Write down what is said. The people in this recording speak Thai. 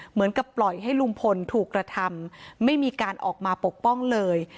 เหมือนกับปล่อยให้ลุงพลถูกกระทำไม่มีการออกมาปกป้องเลย